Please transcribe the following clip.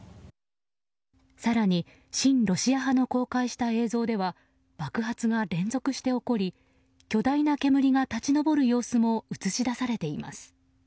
更に、親ロシア派の公開した映像では爆発が連続して起こり巨大な煙が立ち上る様子も映しだされています。